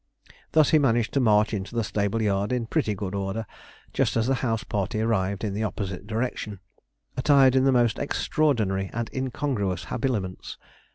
Thus he managed to march into the stable yard in pretty good order, just as the house party arrived in the opposite direction, attired in the most extraordinary and incongruous habiliments.